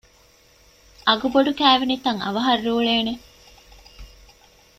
އަގުބޮޑު ކައިވެނިތައް އަވަހަށް ރޫޅޭނެ؟